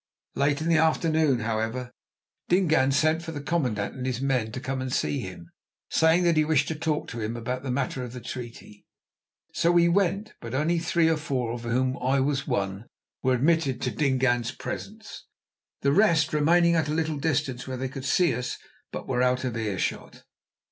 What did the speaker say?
Late in the afternoon, however, Dingaan sent for the commandant and his men to come to see him, saying that he wished to talk with him about the matter of the treaty. So we went; but only three or four, of whom I was one, were admitted to Dingaan's presence, the rest remaining at a little distance, where they could see us but were out of earshot.